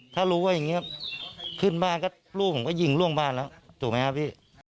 ถ้ารู้ว่าอย่างนี้ขึ้นบ้านก็ลูกผมก็ยิงล่วงบ้านแล้วถูกไหมครับพี่